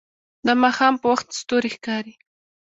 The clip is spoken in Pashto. د ماښام په وخت ستوري ښکاري